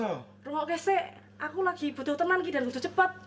aku gak bisa aku lagi butuh tenang dan harus cepat